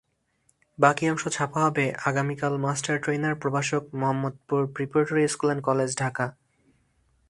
বাকি অংশ ছাপা হবে আগামীকালমাস্টার ট্রেইনার, প্রভাষক, Mohammadpur preparatory school and college, Dhaka.